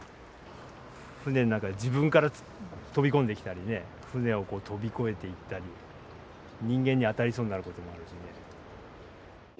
船の中に自分から飛び込んできたり船を飛び越えていったり人間に当たりそうになることもあるしね。